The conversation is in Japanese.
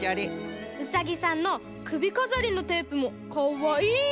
「ウサギさんのくびかざりのテープもかわいい！」。